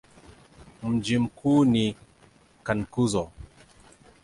Mji mkuu ni Cankuzo.